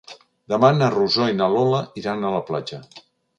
Demà na Rosó i na Lola iran a la platja.